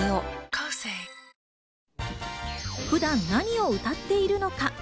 普段、何を歌っているのか？